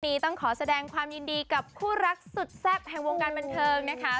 วันนี้ต้องขอแสดงความยินดีกับคู่รักสุดแซ่บแห่งวงการบันเทิงนะคะ